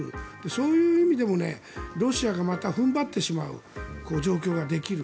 そういう意味でもロシアがまた踏ん張ってしまう状況ができる。